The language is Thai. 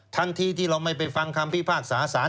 ทันทีที่เราไม่ไปฟังคำพิพากษาสาร